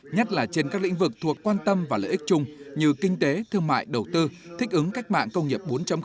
nhất là trên các lĩnh vực thuộc quan tâm và lợi ích chung như kinh tế thương mại đầu tư thích ứng cách mạng công nghiệp bốn